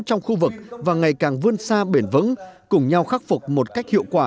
trong khu vực và ngày càng vươn xa bền vững cùng nhau khắc phục một cách hiệu quả